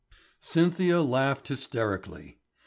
] Cynthia laughed hysterically.